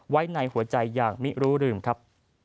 ไว้ในหัวใจอย่างไม่รู้ลืมครับ